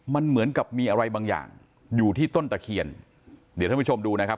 มันเหมือนกับมีอะไรบางอย่างอยู่ที่ต้นตะเคียนเดี๋ยวท่านผู้ชมดูนะครับ